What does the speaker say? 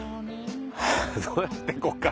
どうやって行こうかな？